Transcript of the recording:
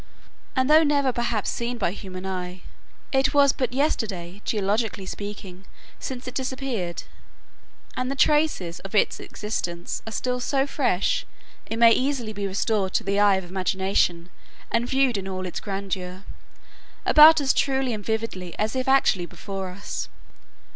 And though never perhaps seen by human eye, it was but yesterday, geologically speaking, since it disappeared, and the traces of its existence are still so fresh, it may easily be restored to the eye of imagination and viewed in all its grandeur, about as truly and vividly as if actually before us.